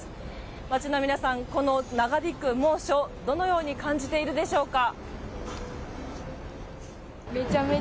街の皆さん、この長引く猛暑、どのように感じているでしょうか。